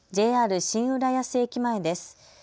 ＪＲ新浦安駅前です。